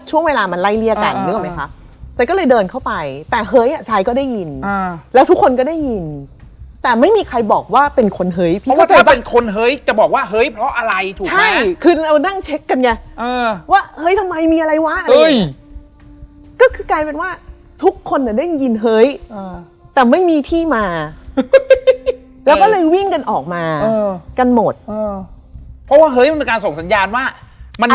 สุดท้ายก็เลยว่าโอเคงั้นเค้าเล่นพี่อุ๋ยไม่ต้องมาเดือดร้อนด้วย